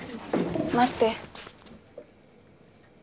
待って。